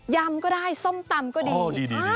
ยำก็ได้ส้มตำก็ดี